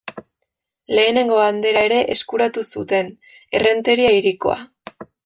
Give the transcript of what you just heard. Lehenengo bandera ere eskuratu zuten, Errenteria Hirikoa.